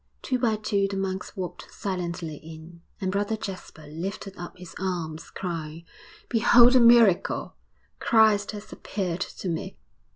Two by two the monks walked silently in, and Brother Jasper lifted up his arms, crying: 'Behold a miracle! Christ has appeared to me!'